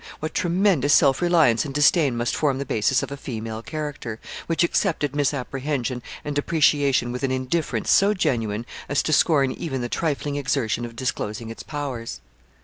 What tremendous self reliance and disdain must form the basis of a female character, which accepted misapprehension and depreciation with an indifference so genuine as to scorn even the trifling exertion of disclosing its powers.